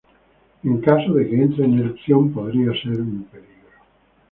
En caso de que entre en erupción podría ser un peligro.